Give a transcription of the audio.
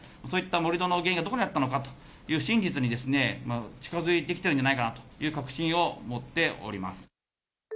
盛り土の原因がどこにあったのかという真実に近づいてきてるんじゃないかという確信を持っております。